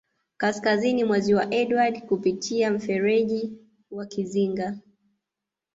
Kaskazini mwa Ziwa Edward kupitia mferji wa Kizinga